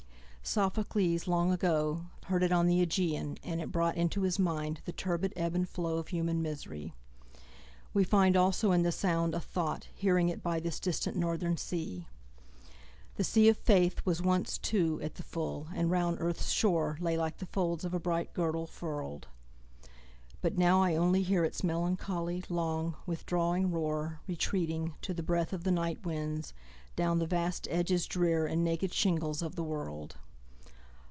Sophocles long agoHeard it on the Ægæan, and it broughtInto his mind the turbid ebb and flowOf human misery; weFind also in the sound a thought, Hearing it by this distant northern sea. The sea of faithWas once, too, at the full, and round earth's shoreLay like the folds of a bright girdle furl'd. But now I only hearIts melancholy, long, withdrawing roar, Retreating, to the breathOf the night winds, down the vast edges drearAnd naked shingles of the world.